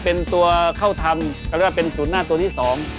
เป็นตัวเข้าทำเขาเรียกว่าเป็นศูนย์หน้าตัวที่สอง